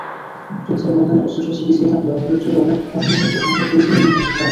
যুদ্ধের ময়দানে অস্ত্রশস্ত্রে পিছিয়ে থাকলেও মনের জোরে অনেক অসম্ভবকে সম্ভব করেছিলেন মুক্তিযোদ্ধারা।